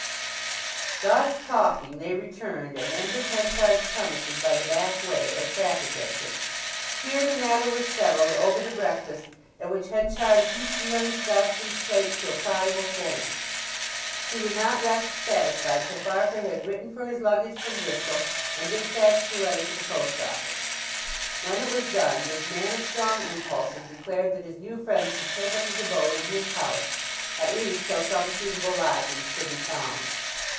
Thus talking they returned, and entered Henchard's premises by the back way or traffic entrance. Here the matter was settled over the breakfast, at which Henchard heaped the young Scotchman's plate to a prodigal fulness. He would not rest satisfied till Farfrae had written for his luggage from Bristol, and dispatched the letter to the post office. When it was done this man of strong impulses declared that his new friend should take up his abode in his house—at least till some suitable lodgings could be found.